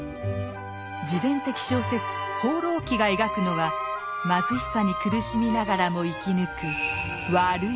自伝的小説「放浪記」が描くのは貧しさに苦しみながらも生き抜く「悪い」